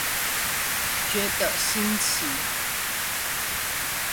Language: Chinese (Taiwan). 覺得新奇